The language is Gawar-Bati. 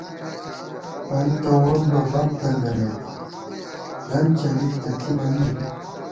پل توون بہ بم تنگَمېت، گن چَلِک تہ تھِبہ می